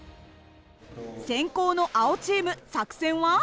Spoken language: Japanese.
先攻の青チーム作戦は？